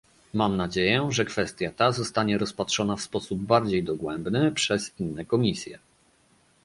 Mam nadzieje, że kwestia ta zostanie rozpatrzona w sposób bardziej dogłębny przez inne komisje